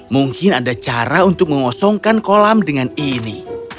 mungkin ada cara untuk mengosongkan kolam dengan ini